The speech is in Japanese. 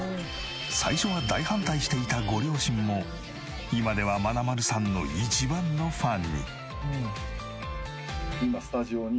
最初は大反対していたご両親も今ではまなまるさんの一番のファンに。